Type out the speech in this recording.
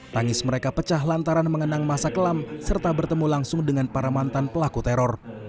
tangis mereka pecah lantaran mengenang masa kelam serta bertemu langsung dengan para mantan pelaku teror